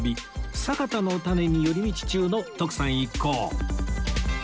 サカタのタネに寄り道中の徳さん一行